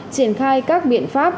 triển khai các biện pháp